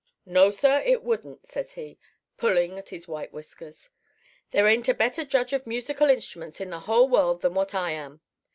"'No, sir, it wouldn't,' says he, pulling at his white whiskers. 'There ain't a better judge of musical instruments in the whole world than what I am.